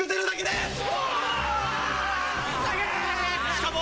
しかも。